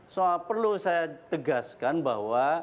soal perlu saya tegaskan bahwa